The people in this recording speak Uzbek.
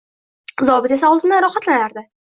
Zobit esa oldindan rohatlanardi